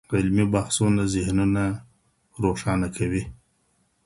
علمي بحثونه ذهنونه روښانه کوي.